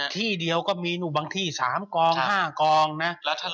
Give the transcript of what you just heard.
ที่เดียวก็มีหนึ่งสามกองห้ากองนะ